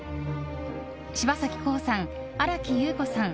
柴咲コウさん、新木優子さん